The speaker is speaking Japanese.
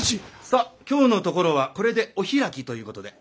さあ今日のところはこれでお開きということで。